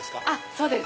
そうです。